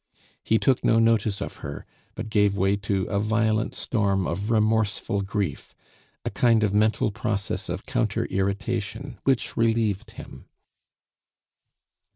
He took no notice of her, but gave way to a violent storm of remorseful grief, a kind of mental process of counter irritation, which relieved him.